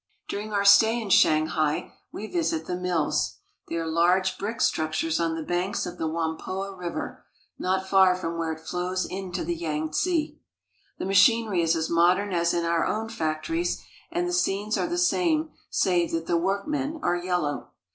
During our stay in Shanghai, we visit the mills. They are large brick structures on the banks of the Whampoa River not far from where it flows into the Yangtze. The machinery is as modern as in our own factories, and the scenes are the same save that the workmen are yellow.